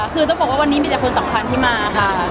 คือต้องบอกว่าวันนี้มีแต่คนสำคัญที่มาค่ะ